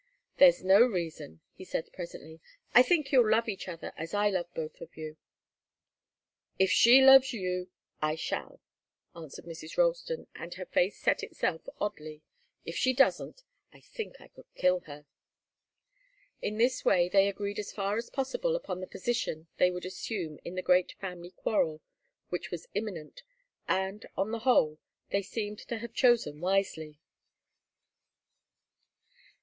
"There's no reason," he said, presently. "I think you'll love each other as I love you both." "If she loves you, I shall," answered Mrs. Ralston, and her face set itself oddly. "If she doesn't I think I could kill her." In this way they agreed as far as possible upon the position they would assume in the great family quarrel which was imminent, and, on the whole, they seemed to have chosen wisely.